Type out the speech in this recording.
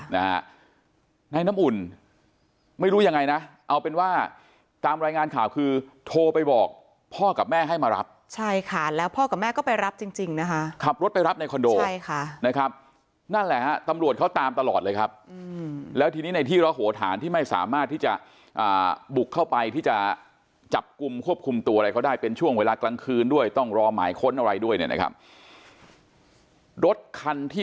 นะฮะในน้ำอุ่นไม่รู้ยังไงนะเอาเป็นว่าตามรายงานข่าวคือโทรไปบอกพ่อกับแม่ให้มารับใช่ค่ะแล้วพ่อกับแม่ก็ไปรับจริงจริงนะคะขับรถไปรับในคอนโดใช่ค่ะนะครับนั่นแหละฮะตำรวจเขาตามตลอดเลยครับแล้วทีนี้ในที่ระโหฐานที่ไม่สามารถที่จะอ่าบุกเข้าไปที่จะจับกลุ่มควบคุมตัวอะไรเขาได้เป็นช่วงเวลากลางคืนด้วยต้องรอหมายค้นอะไรด้วยเนี่ยนะครับรถคันที่